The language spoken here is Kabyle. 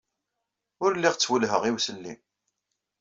Ul lliɣ ttwellheɣ i uselli.